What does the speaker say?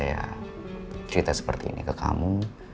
saya juga pernah bercerita seperti ini ke kamu